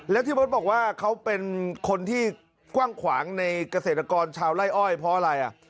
แล้วที่เบิร์ตบอกว่าเขาเป็นคนที่กว้างขวางในเกษตรกรชาวไล่อ้อยเพราะอะไรอ่ะ